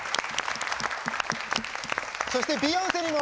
そしてビヨンセにも。